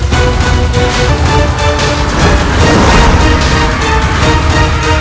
dan bertempur secara tegas